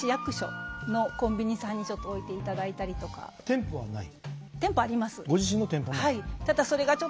店舗はない？